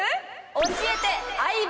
教えて「相棒」